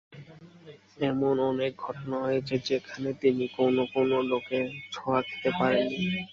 এমন অনেক ঘটনা হয়েছে, যেখানে তিনি কোন কোন লোকের ছোঁয়া খেতে পারেননি।